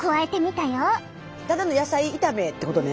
ただの野菜炒めってことね。